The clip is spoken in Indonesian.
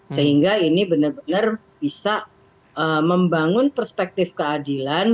sehingga ini benar benar bisa membangun perspektif keadilan